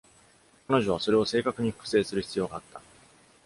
彼女はそれを正確に複製する必要があった。